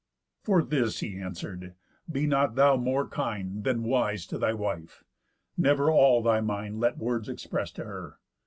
'For this,' he answer'd, 'be not thou more kind Than wise to thy wife. Never all thy mind Let words express to her.